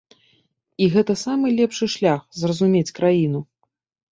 І гэта самы лепшы шлях зразумець краіну.